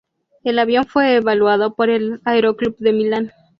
El avión fue evaluado por el aeroclub de Milán.